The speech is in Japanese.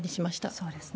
そうですね。